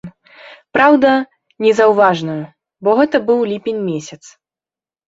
Праўда, незаўважную, бо гэта быў ліпень месяц.